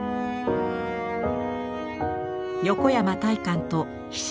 横山大観と菱田春草。